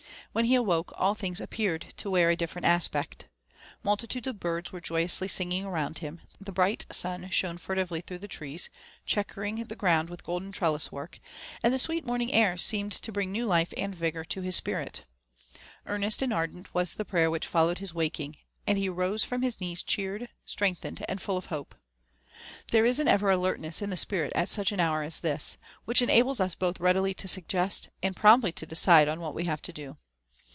When he awoke, all l|hings appeared to wear a different aspect. Multitudes of birds were joyously singing around him ; the bri^t sun shone furtively through the trees, chequer ing the ground with 'golden trellis work ; and the sweet morning air seemed to bring new life and vigour to his spirit. Earnest and ardent was the prayer which followed his wakttig, and ' he rose from his knees cheered, strengthened, and full of hope. There is an ever alertness in the spirit at such an hour as this, which enables us both readily to suggest and promptly to decide on what we have to do.